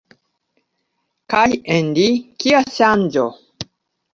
Kaj en li, kia ŝanĝo!